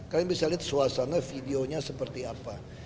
kalian bisa lihat suasana videonya seperti apa